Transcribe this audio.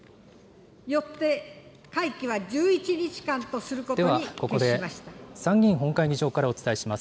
よって会期は１１日間とすることではここで参議院本会議場からお伝えします。